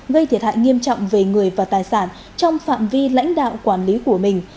gây thiệt hại nghiêm trọng về người và tài sản trong phạm vi lãnh đạo quản lý của mình